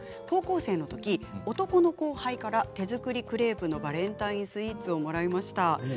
高校生のとき男の後輩から手作りクレープのバレンタインスイーツをもらいました。